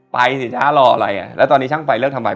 ไปสิฉันรออะไรแล้วตอนนี้ช่างไปเริ่มทำไป